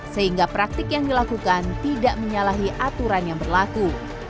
sehingga praktik yang dilakukan tidak menyalahi aturan yang berlaku